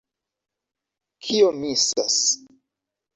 Kio misas?